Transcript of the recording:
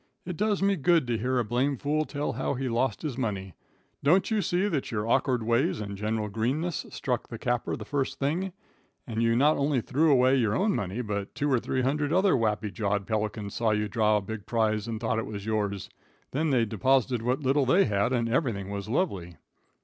It does me good to hear a blamed fool tell how he lost his money. Don't you see that your awkward ways and general greenness struck the capper the first thing, and you not only threw away your own money, but two or three hundred other wappy jawed pelicans saw you draw a big prize and thought it was yours, then they deposited what little they had and everything was lovely."